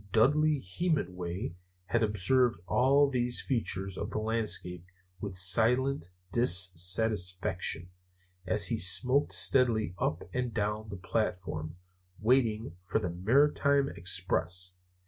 Dudley Hemenway had observed all these features of the landscape with silent dissatisfaction, as he smoked steadily up and down the platform, waiting for the Maritime Express.